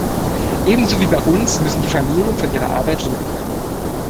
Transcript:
Ebenso wie bei uns müssen die Familien von ihrer Arbeit leben können.